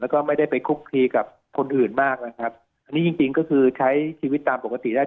แล้วก็ไม่ได้ไปคุกคลีกับคนอื่นมากนะครับอันนี้จริงจริงก็คือใช้ชีวิตตามปกติได้